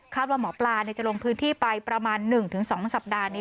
ว่าหมอปลาจะลงพื้นที่ไปประมาณ๑๒สัปดาห์นี้